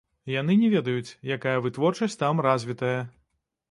Яны не ведаюць, якая вытворчасць там развітая.